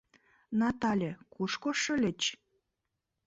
— Натале, кушко шыльыч?